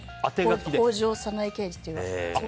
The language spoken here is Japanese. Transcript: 北条早苗刑事っていう。